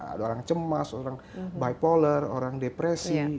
ada orang cemas orang bipolar orang depresi